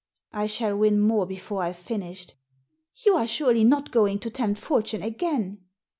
" I shall win more before I've finished." "You are surely not going to tempt Fortune again